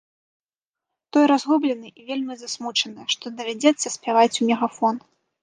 Той разгублены і вельмі засмучаны, што давядзецца спяваць у мегафон.